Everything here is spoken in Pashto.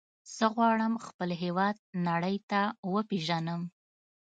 زه غواړم خپل هېواد نړۍ ته وپیژنم.